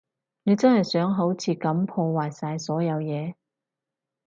你真係想好似噉破壞晒所有嘢？